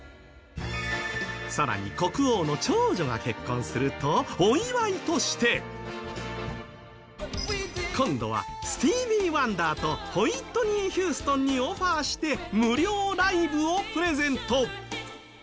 更に、国王の長女が結婚するとお祝いとして今度はスティービー・ワンダーとホイットニー・ヒューストンにオファーして無料ライブをプレゼント。